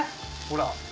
ほら。